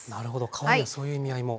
皮にはそういう意味合いも。